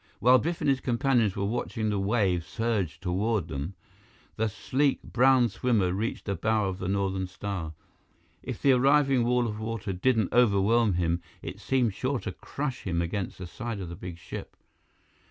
While Biff and his companions were watching the wave surge toward them, the sleek, brown swimmer reached the bow of the Northern Star. If the arriving wall of water didn't overwhelm him, it seemed sure to crush him against the side of the big ship.